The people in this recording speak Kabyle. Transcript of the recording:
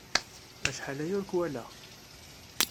Acḥal aya ur k-walaɣ.